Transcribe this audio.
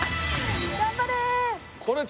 頑張れ！